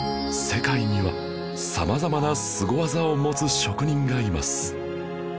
世界には様々なスゴ技を持つ職人がいます